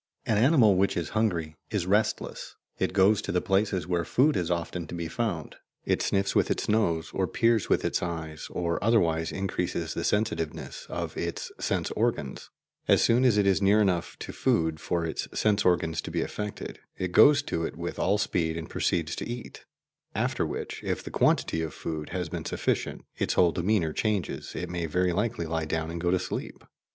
An animal which is hungry is restless, it goes to the places where food is often to be found, it sniffs with its nose or peers with its eyes or otherwise increases the sensitiveness of its sense organs; as soon as it is near enough to food for its sense organs to be affected, it goes to it with all speed and proceeds to eat; after which, if the quantity of food has been sufficient, its whole demeanour changes it may very likely lie down and go to sleep.